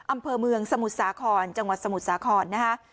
อำเภอเมืองสมุทรสาครจังหวัดสมุทรสาครนะฮะ